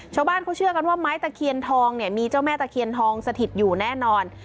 ชาวบ้านเขาเชื่อกันว่าไม้ตะเคียนทองเนี่ยมีเจ้าแม่ตะเคียนทองสถิตอยู่แน่นอน